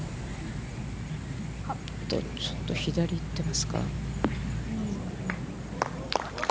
ちょっと左に行ってますか。